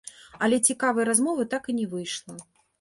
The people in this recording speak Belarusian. Але цікавай размовы так і не выйшла.